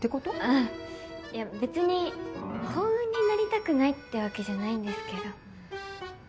あいや別に幸運になりたくないってわけじゃないんですけど。